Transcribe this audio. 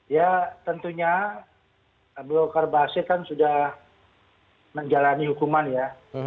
ya tentunya abu bakar basir kan sudah menjalani hukuman ya